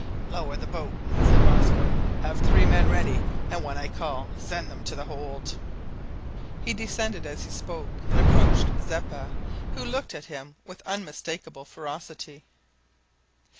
"Lower the boat" said Rosco. "Have three men ready, and, when I call, send them to the hold." He descended as he spoke, and approached Zeppa, who looked at him with unmistakable ferocity.